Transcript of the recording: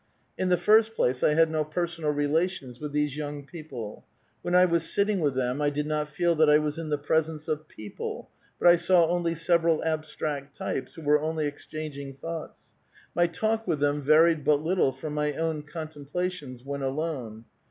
In the first place, I had no personal relations with these young people. When I was sitting with them 1 did not feel that I was in the presence of people, but I saw only several abstract types who were only . exchanging thoughts. My talk with them varied but little from my own contemplations when alone.